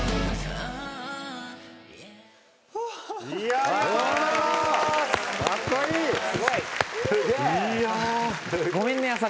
ありがとうございます。